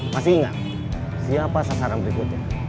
masih ingat siapa sasaran berikutnya